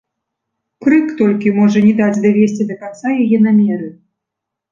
Крык толькі можа не даць давесці да канца яе намеры.